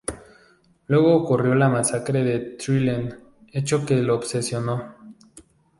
Luego ocurrió la masacre de Trelew, hecho que lo obsesionó.